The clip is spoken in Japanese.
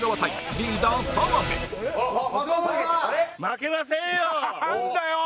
負けませんよ！